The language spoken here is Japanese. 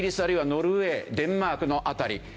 あるいはノルウェーデンマークの辺り